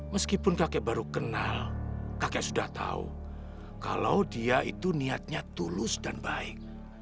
meskipun kakek baru kenal kakek sudah tahu kalau dia itu niatnya tulus dan baik